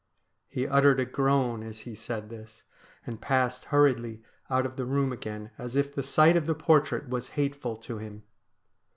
He uttered a groan as he said this, and passed hurriedly out of the room again as if the sight of the portrait was hate ful to him.